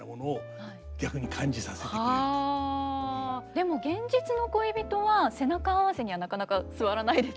でも現実の恋人は背中合わせにはなかなか座らないですよね。